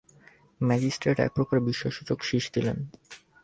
Magistrate একপ্রকার বিস্ময়সূচক শিস দিলেন।